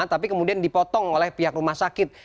tapi kemudian dipotong oleh pihak rumah sakit